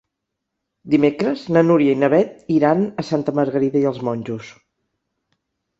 Dimecres na Núria i na Beth iran a Santa Margarida i els Monjos.